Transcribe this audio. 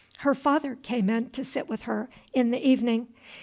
Her father came in to sit with her in the evening.